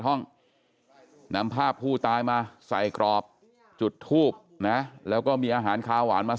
ห้องนำภาพผู้ตายมาใส่กรอบจุดทูบนะแล้วก็มีอาหารคาหวานมา